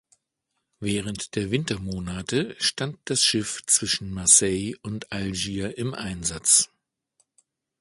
Während der Wintermonate stand das Schiff zwischen Marseille und Algier im Einsatz.